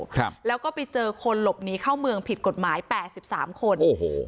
ครับแล้วก็ไปเจอคนหลบหนีเข้าเมืองผิดกฎหมายแปดสิบสามคนโอ้โห